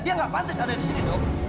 dia gak pantas ada di sini dok